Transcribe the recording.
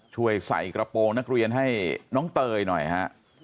ช่วยใส่กระโปรงนักเรียนให้น้องเตยหน่อยฮะ